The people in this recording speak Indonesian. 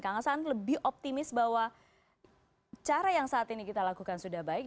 kang hasan lebih optimis bahwa cara yang saat ini kita lakukan sudah baik